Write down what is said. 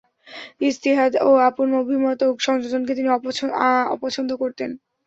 ইজতিহাদ ও আপন অভিমত সংযোজনকে তিনি অপছন্দ করতেন।